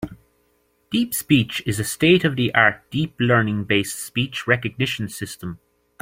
DeepSpeech is a state-of-the-art deep-learning-based speech recognition system.